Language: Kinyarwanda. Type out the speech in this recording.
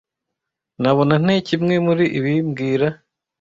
Nabona nte kimwe muri ibi mbwira